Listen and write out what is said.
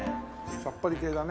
さっぱり系だね。